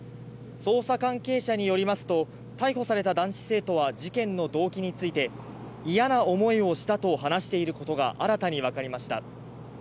捜査関係者によりますと、逮捕された男子生徒は事件の動機について、嫌な思いをしたと話していることが新たに分かりました。